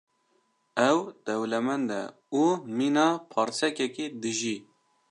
Ew dewlemend e û mîna parsekekî dijî.